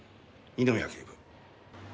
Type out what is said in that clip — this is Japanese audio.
二宮警部。